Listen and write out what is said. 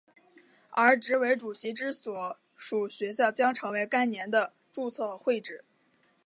而执委主席之所属学校将成为该年的注册会址。